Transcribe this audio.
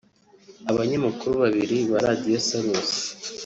Abanyamakuru babiri ba Radiyo Salus